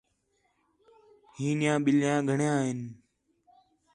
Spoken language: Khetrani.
ہی نیاں ٻِلّھیاں گھݨیاں ہِن